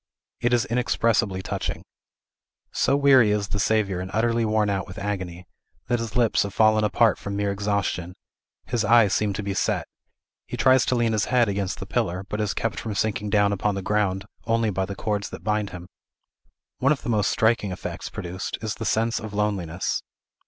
It is inexpressibly touching. So weary is the Saviour and utterly worn out with agony, that his lips have fallen apart from mere exhaustion; his eyes seem to be set; he tries to lean his head against the pillar, but is kept from sinking down upon the ground only by the cords that bind him. One of the most striking effects produced is the sense of loneliness.